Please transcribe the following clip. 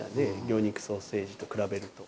魚肉ソーセージと比べると。